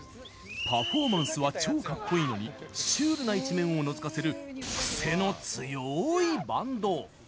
パフォーマンスは超かっこいいのにシュールな一面をのぞかせるクセの強いバンド。